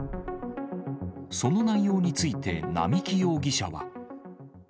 その内容について、並木容疑者は。